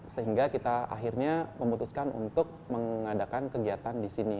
sehingga kita akhirnya memutuskan untuk mengadakan kegiatan di sini